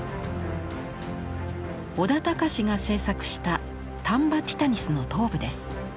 小田隆が制作したタンバティタニスの頭部です。